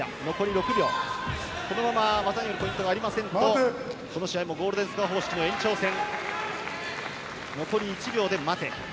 このまま技によるポイントがありませんとこの試合もゴールデンスコア方式の延長戦。